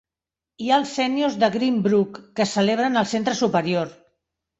Hi ha els Sèniors de Green Brook, que es celebren al Centre Superior.